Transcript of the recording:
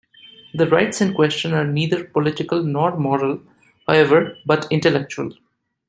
The rights in question are neither political nor moral, however, but intellectual.